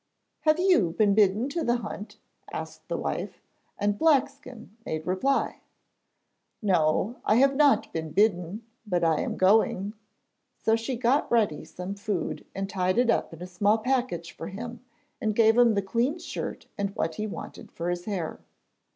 'Have you been bidden to the hunt?' asked the wife, and Blackskin made reply: 'No; I have not been bidden, but I am going.' So she got ready some food and tied it up in a small package for him, and gave him the clean shirt and what he wanted for his hair.